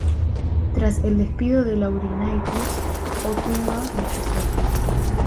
Tras el despido de Laurinaitis, Otunga luchó solo.